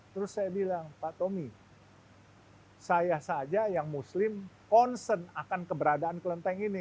terus saya bilang pak tommy saya saja yang muslim concern akan keberadaan kelenteng ini